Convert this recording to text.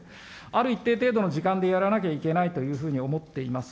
ある一定程度の時間でやらなきゃいけないと思っています。